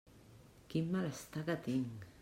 Quin malestar que tinc!